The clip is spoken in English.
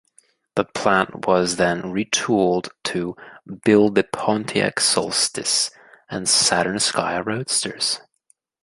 The plant was then retooled to build the Pontiac Solstice and Saturn Sky roadsters.